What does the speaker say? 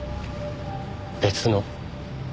別の？